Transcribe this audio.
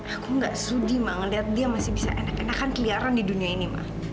aku gak sudi ma ngeliat dia masih bisa enakan enakan keliaran di dunia ini ma